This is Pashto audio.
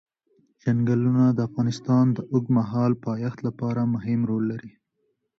چنګلونه د افغانستان د اوږدمهاله پایښت لپاره مهم رول لري.